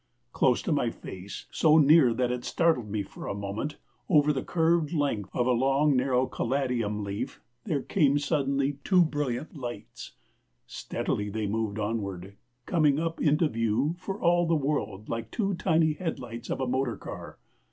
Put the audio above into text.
Close to my face, so near that it startled me for a moment, over the curved length of a long, narrow caladium leaf, there came suddenly two brilliant lights. Steadily they moved onward, coming up into view for all the world like two tiny headlights of a motor car.